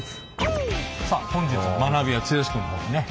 さあ本日の学びは剛君の方にね。